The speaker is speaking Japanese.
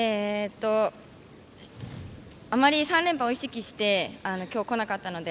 あまり、３連覇を意識して今日、来なかったので。